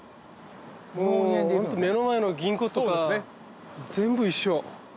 もうホント目の前の銀行とか全部一緒。